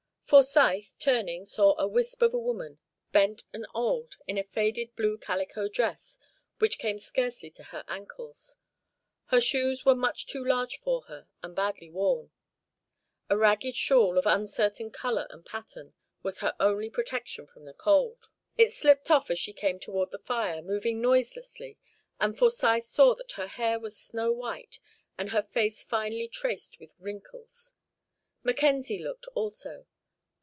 Forsyth, turning, saw a wisp of a woman, bent and old, in a faded blue calico dress which came scarcely to her ankles. Her shoes were much too large for her, and badly worn. A ragged shawl, of uncertain colour and pattern, was her only protection from the cold. It slipped off as she came toward the fire, moving noiselessly, and Forsyth saw that her hair was snow white and her face finely traced with wrinkles. Mackenzie looked also.